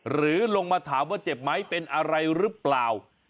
หรือลงมาถามว่าเจ็บไหมเป็นอะไรหรือเปล่า